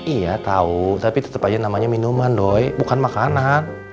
iya tau tapi tetep aja namanya minuman doi bukan makanan